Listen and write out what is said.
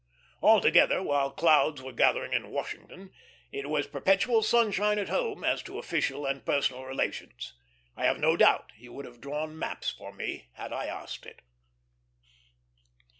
Altogether, while clouds were gathering in Washington, it was perpetual sunshine at home as to official and personal relations. I have no doubt he would have drawn maps for me had I asked it.